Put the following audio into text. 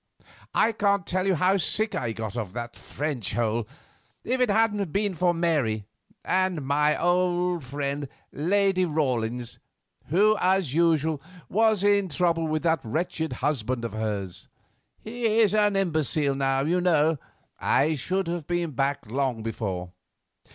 I can't tell you how sick I got of that French hole. If it hadn't been for Mary, and my old friend, Lady Rawlins, who, as usual, was in trouble with that wretched husband of hers—he is an imbecile now, you know—I should have been back long before.